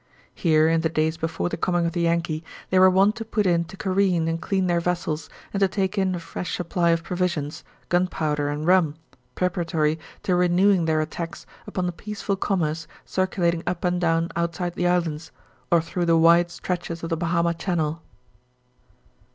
Here, in the days before the coming of the Yankee, they were wont to put in to careen and clean their vessels and to take in a fresh supply of provisions, gunpowder, and rum, preparatory to renewing their attacks upon the peaceful commerce circulating up and down outside the islands, or through the wide stretches of the Bahama channel.